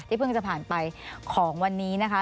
เพิ่งจะผ่านไปของวันนี้นะคะ